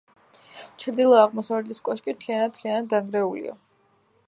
ჩრდილო-აღმოსავლეთის კოშკი თითქმის მთლიანად დანგრეულია.